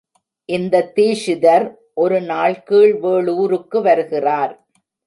இந்த தீக்ஷிதர் ஒருநாள் கீழ் வேளூருக்கு வருகிறார்.